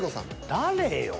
誰よ。